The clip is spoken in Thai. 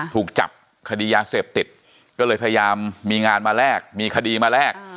ถูกจับคดียาเสพติดก็เลยพยายามมีงานมาแลกมีคดีมาแลก